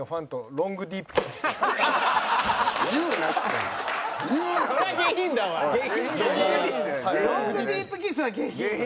ロングディープキスは下品。